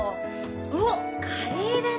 おっカレーだね。